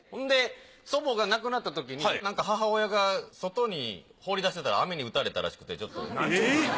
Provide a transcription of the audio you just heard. で祖母が亡くなったときに母親が外に放り出してたら雨に打たれたらしくてちょっと。